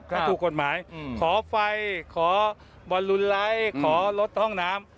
ถ้าถูกกฎหมายขอไฟขอบรรลุไลขอรถห้องน้ำ